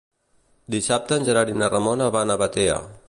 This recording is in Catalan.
Dissabte en Gerard i na Ramona van a Batea.